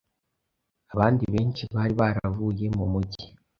abandi benshi bari baravuye mu mujyi